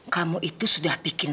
kamu itu sudah bikin